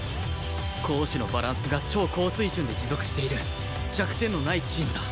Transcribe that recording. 攻守のバランスが超高水準で持続している弱点のないチームだ